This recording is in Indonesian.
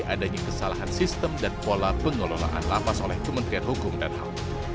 adanya kesalahan sistem dan pola pengelolaan lapas oleh kementerian hukum dan ham